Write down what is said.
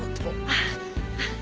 ああ。